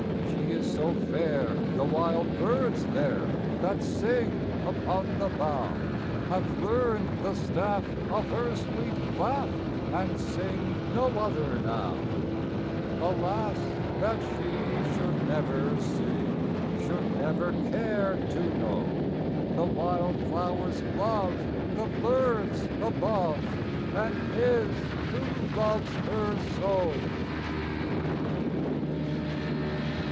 She is so fair the wild birds there That sing upon the bough, Have learned the staff of her sweet laugh, And sing no other now. Alas! that she should never see, Should never care to know, The wildflower's love, the bird's above, And his, who loves her so!